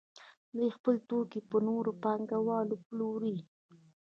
دوی خپل توکي په نورو پانګوالو پلوري